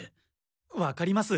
わかります。